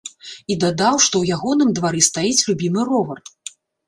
І дадаў, што ў ягоным двары стаіць любімы ровар.